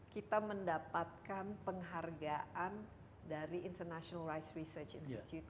kita mendapatkan penghargaan dari international rice research institute